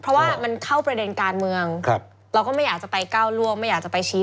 เพราะว่ามันเข้าประเด็นการเมืองเราก็ไม่อยากจะไปก้าวล่วงไม่อยากจะไปชี้